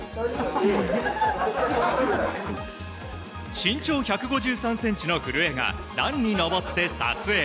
身長１５３ｃｍの古江が段に上って撮影。